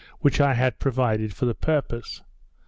which I had provided for the purpose.